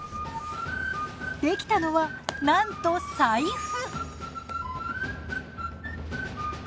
出来たのはなんと財布！